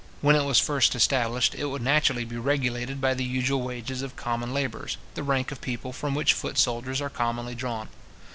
When it was first established, it would naturally be regulated by the usual wages of common labourers, the rank of people from which foot soldiers are commonly drawn.